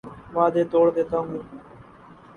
وعدے توڑ دیتا ہوں